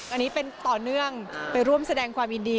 อันนี้เป็นต่อเนื่องไปร่วมแสดงความยินดี